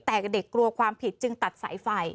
แต่เด็กกลัวความผิดจึงตัดสายไฟ